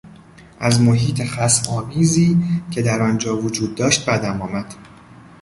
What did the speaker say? از محیط خصم آمیزی که در آنجا وجود داشت بدم آمد.